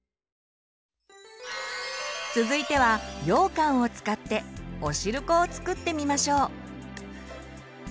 続いてはようかんを使ってお汁粉を作ってみましょう。